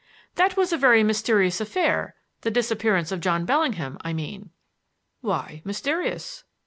"That was a very mysterious affair the disappearance of John Bellingham, I mean." "Why mysterious?"